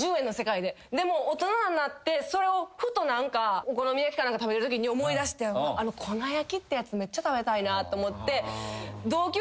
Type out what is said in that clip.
でも大人になってそれをふとお好み焼きか何か食べるときに思い出してあの粉焼きってやつめっちゃ食べたいなと思って。